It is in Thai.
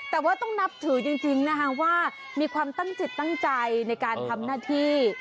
แต่ว่าต้องนับถือจริงนะคะว่ามีความตั้งจิตตั้งใจในการทำหน้าที่